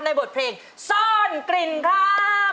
บทเพลงซ่อนกลิ่นครับ